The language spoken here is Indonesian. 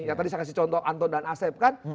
ya tadi saya kasih contoh anton dan asep kan